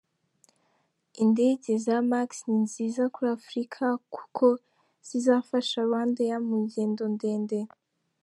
Indege za Max ni nziza kuri Afurika kuko zizafasha RwandAir mu ngendo ndende.